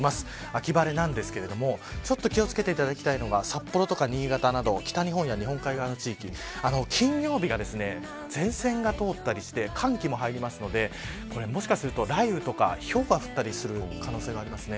秋晴れですが気を付けていただきたいのが札幌や新潟など北日本や日本海側の地域金曜日は前線が通ったりして寒気も入るのでもしかすると雷雨やひょうが降ったりする可能性があります。